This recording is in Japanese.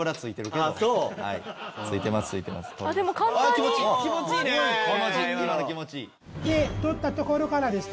今の気持ちいい。